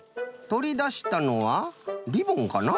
とりだしたのはリボンかな？